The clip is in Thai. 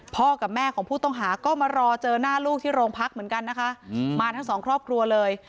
กับแม่ของผู้ต้องหาก็มารอเจอหน้าลูกที่โรงพักเหมือนกันนะคะมาทั้งสองครอบครัวเลย